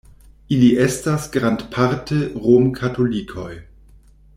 Ili estas grandparte rom-katolikoj.